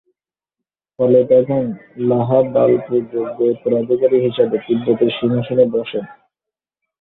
ফলে তখন ল্হা-বাল-পো যোগ্য উত্তরাধিকারী হিসেবে তিব্বতের সিংহাসনে বসেন।